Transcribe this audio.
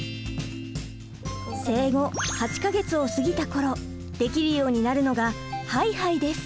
生後８か月を過ぎた頃できるようになるのが「はいはい」です。